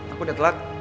aku udah telat